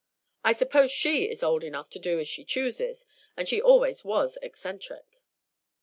I suppose she is old enough to do as she chooses, and she always was eccentric."